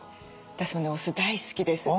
私もねお酢大好きです。